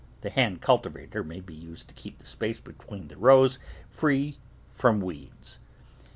The hand cultivator may be used to keep the space between the rows free from weeds.